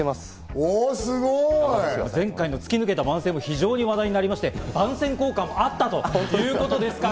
すごい！前回の突き抜けた番宣も非常に話題になりまして番宣効果もあったということですから。